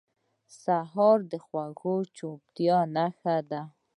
سهار د خوږې چوپتیا نښه ده.